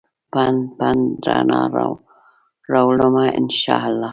پنډ ، پنډ رڼا راوړمه ا ن شا الله